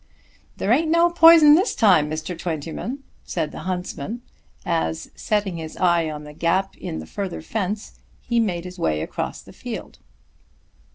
"There ain't no poison this time, Mr. Twentyman," said the huntsman, as, setting his eye on a gap in the further fence, he made his way across the field.